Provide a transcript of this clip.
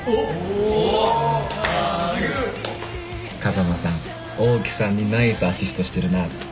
風間さん大木さんにナイスアシストしてるなと。